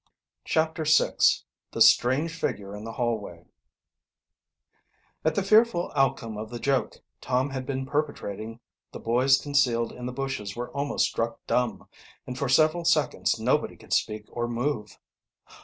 CHAPTER VI THE STRANGE FIGURE IN THE HALLWAY At the fearful outcome of the joke Tom had been perpetrating the boys concealed in the bushes were almost struck dumb, and for several seconds nobody could speak or move.